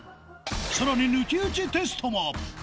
さらに抜き打ちテストも！